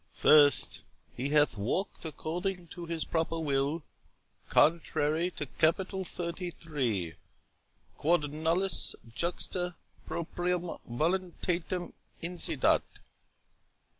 —1st, He hath walked according to his proper will, contrary to capital 33, 'Quod nullus juxta propriam voluntatem incedat'.